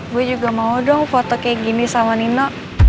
gue juga mau dong foto kayak gini sama nina